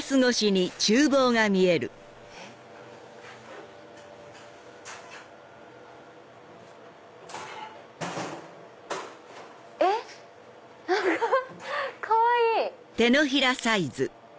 えっ⁉えっ⁉かわいい！